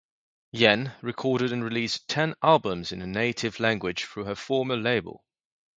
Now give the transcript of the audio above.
Yenn recorded and released ten albums in her native language through her former label.